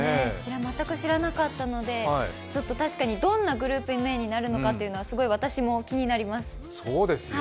全く知らなかったので、確かにどんなグループ名になるのか、すごい私も気になります。